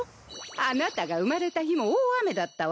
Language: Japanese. あなたが生まれた日も大雨だったわ。